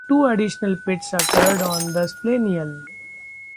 Two additional pits occurred on the splenial.